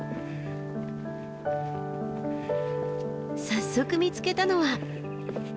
早速見つけたのは。